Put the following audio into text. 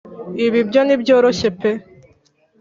Ibi byo ntibyoroshye pe